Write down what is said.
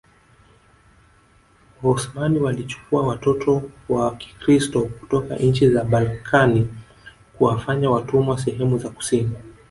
Waosmani walichukua watoto wa Kikristo kutoka nchi za Balkani kuwafanya watumwa sehemu za kusini